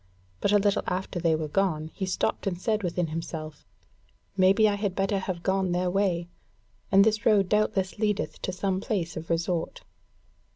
But a little after they were gone, he stopped and said within himself: "Maybe I had better have gone their way, and this road doubtless leadeth to some place of resort."